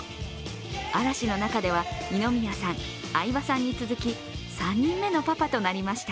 嵐の中では二宮さん、相葉さんに続き、３人目のパパとなりました。